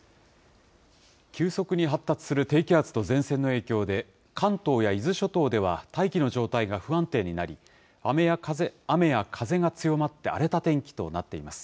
急速に発達する低気圧と前線の影響で、関東や伊豆諸島では大気の状態が不安定になり、雨や風が強まって、荒れた天気となっています。